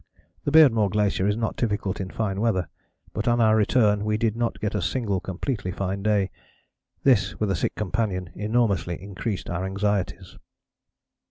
The Beardmore Glacier is not difficult in fine weather, but on our return we did not get a single completely fine day; this with a sick companion enormously increased our anxieties.